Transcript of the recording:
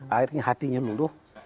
akhirnya hatinya luluh